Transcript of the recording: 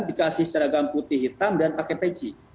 dikasih seragam putih hitam dan pakai peci